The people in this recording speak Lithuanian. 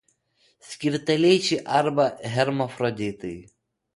Skirtalyčiai arba hermafroditai.